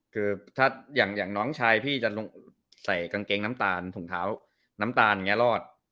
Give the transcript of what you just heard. คือถ้าอย่างน้องชายพี่จะลงใส่กางเกงน้ำตาลถุงเท้าน้ำตาลอย่างนี้รอด